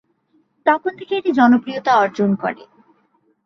তখন থেকেই এটি জনপ্রিয়তা অর্জন করে।